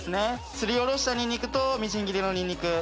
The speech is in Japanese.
すりおろしたニンニクとみじん切りのニンニク。